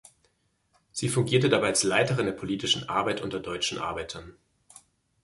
Sie fungierte dabei als Leiterin der politischen Arbeit unter deutschen Arbeitern.